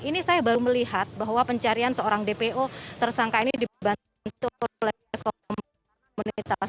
ini saya baru melihat bahwa pencarian seorang dpo tersangka ini dibantu oleh komunitas